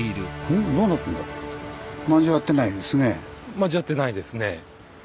交わってないですね。